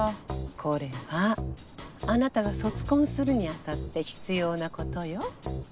これはあなたが卒婚するに当たって必要なことよ。